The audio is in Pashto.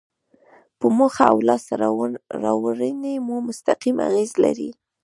په موخې او لاسته راوړنې مو مستقیم اغیز لري.